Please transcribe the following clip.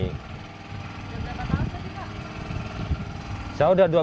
sudah berapa tahun pak